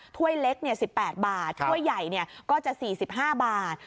้วยเล็ก๑๘บาทถ้วยใหญ่ก็จะ๔๕บาท